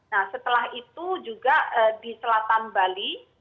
nah setelah itu juga di selatan bali